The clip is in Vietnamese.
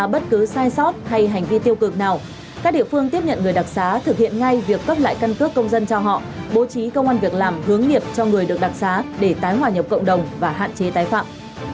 bố trí công an việc làm hướng nghiệp cho người được đặc giá để tái hòa nhập cộng đồng và hạn chế tái phạm